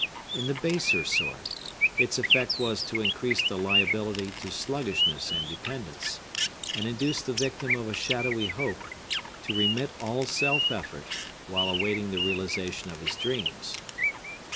In the baser sort, its effect was to increase the liability to sluggishness and dependence, and induce the victim of a shadowy hope to remit all self effort, while awaiting the realization of his dreams.